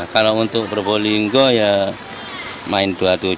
kalau untuk probolinggo ya main dua puluh tujuh